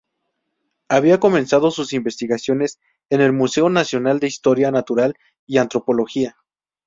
Había comenzado sus investigaciones en el Museo Nacional de Historia Natural y Antropología.